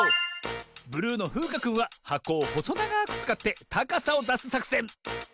ブルーのふうかくんははこをほそながくつかってたかさをだすさくせん。